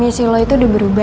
percayaan lo udah berubah ya